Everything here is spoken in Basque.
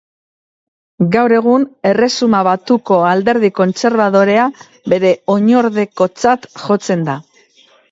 Gaur egun, Erresuma Batuko Alderdi Kontserbadorea bere oinordekotzat jotzen da.